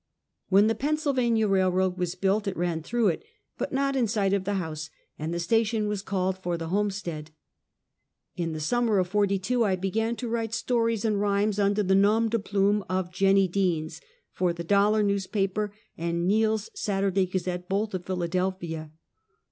AVhen the Pennsylvania railroad was built it ran through it, but not in sight of the house, and the station was called for the homestead. In the summer of '42 I began to write stories and rhymes, under the nor)i de plume of "Jennie Deans," for The Dollar Neuisjpaper and NeaVs Saturday Gazette^ both of Philadelphia.